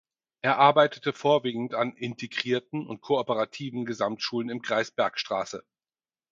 Er arbeitete vorwiegend an Integrierten und Kooperativen Gesamtschulen im Kreis Bergstraße.